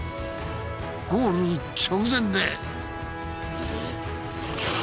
ゴール直前で。